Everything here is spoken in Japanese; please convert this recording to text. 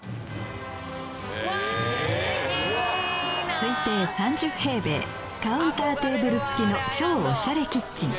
推定３０平米カウンターテーブル付きの超オシャレキッチン